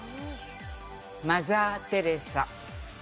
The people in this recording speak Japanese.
マザー・テレサ。